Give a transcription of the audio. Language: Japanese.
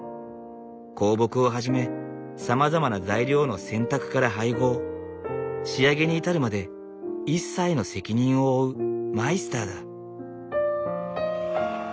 香木をはじめさまざまな材料の選択から配合仕上げに至るまで一切の責任を負うマイスターだ。